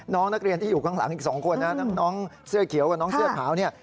น้องนักเรียนที่อยู่ข้างหลังอีก๒คนนะทั้งน้องเสื้อเขียวกับน้องเสื้อขาวเนี่ย